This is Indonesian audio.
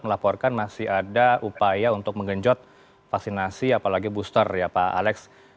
melaporkan masih ada upaya untuk menggenjot vaksinasi apalagi booster ya pak alex